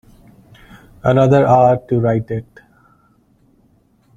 Another hour to write it.